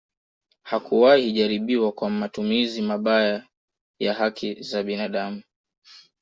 Hakuwahi jaribiwa kwa matumizi mabaya ya haki za binadamu